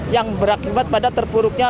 yang berakibat pada terpuruknya